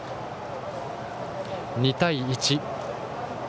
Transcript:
２対１。